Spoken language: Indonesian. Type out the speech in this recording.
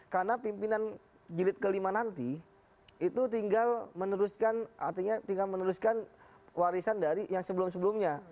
karena pimpinan jilid ke lima nanti itu tinggal meneruskan warisan dari yang sebelum sebelumnya